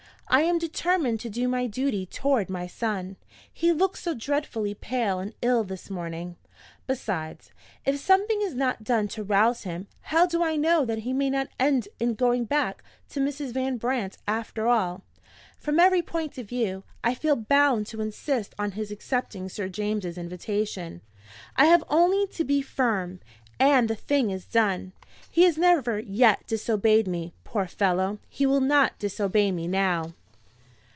I am determined to do my duty toward my son he looks so dreadfully pale and ill this morning! Besides, if something is not done to rouse him, how do I know that he may not end in going back to Mrs. Van Brandt after all? From every point of view, I feel bound to insist on his accepting Sir James's invitation. I have only to be firm, and the thing is done. He has never yet disobeyed me, poor fellow. He will not disobey me now.